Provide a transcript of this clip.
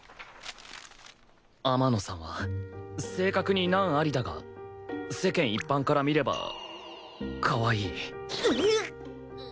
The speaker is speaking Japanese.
天野さんは性格に難ありだが世間一般から見ればかわいい